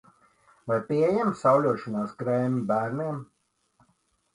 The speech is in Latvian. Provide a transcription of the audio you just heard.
Vai pieejami sauļošanās krēmi bērniem?